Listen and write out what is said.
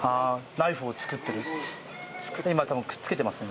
ナイフを作ってる今くっつけてますね。